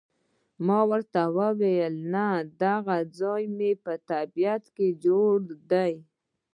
ما ورته وویل، نه، دغه ځای مې په طبیعت جوړ دی.